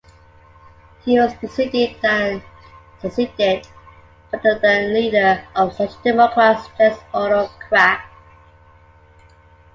He was preceded and succeeded by the then leader of social-democrats, Jens Otto Krag.